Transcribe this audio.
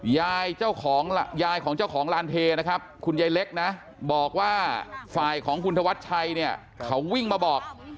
ยายของเจ้าของลานเทนะครับคุณยายเล็กนะบอกว่าฝ่ายของคุณธวัชชัยเขาวิ่งมาบอก